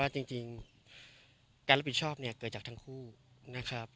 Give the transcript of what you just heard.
จริงการรับผิดชอบเนี่ยเกิดจากทั้งคู่นะครับ